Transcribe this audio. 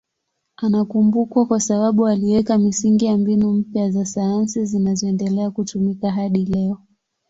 Anakumbukwa kwa sababu aliweka misingi ya mbinu mpya za sayansi zinazoendelea kutumika hadi leo.